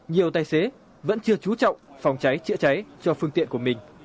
nhiều tài xế vẫn chưa trú trọng phòng cháy chữa cháy cho phương tiện của mình